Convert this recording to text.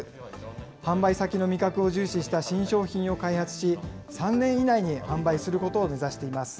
販売先の味覚を重視した新商品を開発し、３年以内に販売することを目指しています。